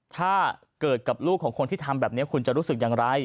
ถ้าเกิดกับลูกของคนที่ทำแบบนี้คุณจะรู้สึกอย่างไร